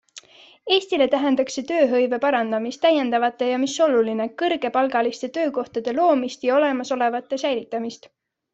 Eestile tähendaks see tööhõive parandamist, täiendavate - ja mis oluline - kõrgepalgaliste töökohtade loomist ja olemasolevate säilitamist.